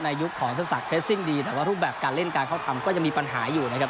ยุคของเทศศักดิ์เพสซิ่งดีแต่ว่ารูปแบบการเล่นการเข้าทำก็ยังมีปัญหาอยู่นะครับ